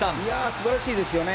素晴らしいですよね。